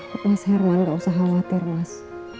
tapi mas herman gak usah khawatir mas